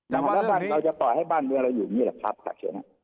เราจะปล่อยให้บ้านเงียวเราอยู่นี่แหละครับ